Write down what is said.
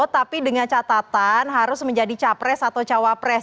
tapi dengan catatan harus menjadi capres atau cawapres